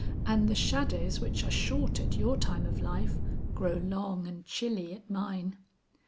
And the shadows which are short at your time of life grow long and chilly at mine.